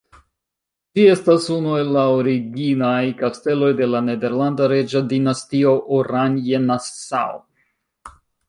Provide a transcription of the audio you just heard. Ĝi estas unu el la originaj kasteloj de la nederlanda reĝa dinastio Oranje-Nassau.